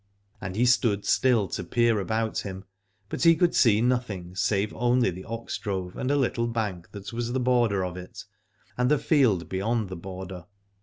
And he stood still to peer about him, but he could see nothing save only the ox drove and a little bank that was the border of it, and the field beyond the border.